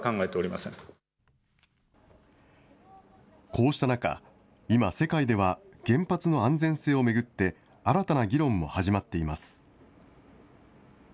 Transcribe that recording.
こうした中、今、世界では原発の安全性を巡って、新たな議論も始まっています。